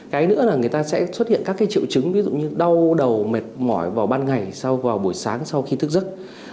cái nữa là người ta sẽ xuất hiện các cái triệu chứng ví dụ như đau đầu mệt mỏi vào ban ngày vào buổi sáng sau khi thức giấc